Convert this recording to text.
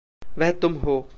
वह तुम हो।